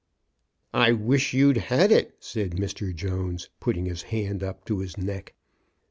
I wish you'd had it," said Mr. Jones, put ting his hand up to his neck.